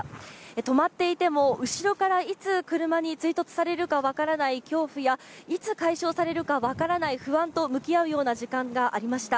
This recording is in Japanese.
止まっていても後ろからいつ車に追突されるか分からない恐怖や、いつ解消されるか分からない不安と向き合うような時間がありました。